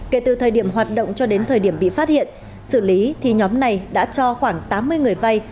kể từ thời điểm hoạt động cho đến thời điểm bị phát hiện xử lý thì nhóm này đã cho khoảng tám mươi người vay